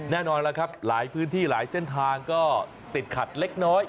แน่นอนแล้วครับหลายพื้นที่หลายเส้นทางก็ติดขัดเล็กน้อย